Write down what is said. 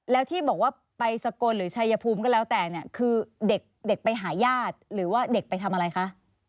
แล้วที่บอกว่าไปสกลหรือชัยภูมิก็แล้วแต่เนี่ยคือเด็กไปหาญาติหรือว่าเด็กไปทำอะไรคะ